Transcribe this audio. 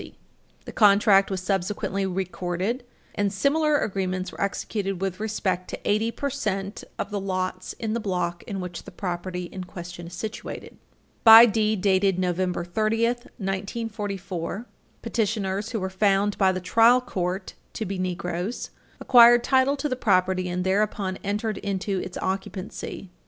The contract was subsequently recorded, and similar agreements were executed with respect to eighty percent of the lots in the block in which the property in question is situated. By deed dated November 30, 1944, petitioners, who were found by the trial court to be Negroes, acquired title to the property, and thereupon entered into its occupancy.